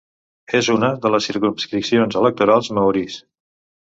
És una de les circumscripcions electorals maoris.